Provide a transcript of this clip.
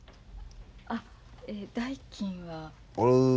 あっえ代金は。